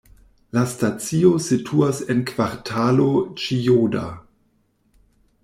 La stacio situas en Kvartalo Ĉijoda.